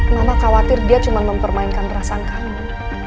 mama khawatir dia cuma mempermainkan perasaan kamu